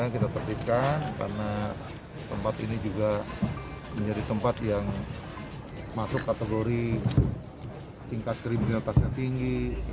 kita tertipkan karena tempat ini juga menjadi tempat yang masuk kategori tingkat kriminalitasnya tinggi